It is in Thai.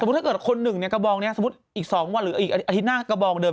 ถ้าเกิดคนหนึ่งเนี่ยกระบองนี้สมมุติอีก๒วันหรืออีกอาทิตย์หน้ากระบองเดิม